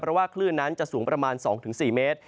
เพราะว่าคลื่นนั้นจะสูงประมาณ๒๔เมตร